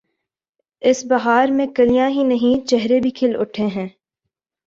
اس بہار میں کلیاں ہی نہیں، چہرے بھی کھل اٹھے ہیں۔